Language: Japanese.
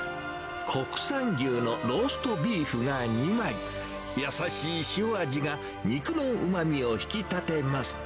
国産牛のローストビーフが２枚、優しい塩味が肉のうまみを引き立てます。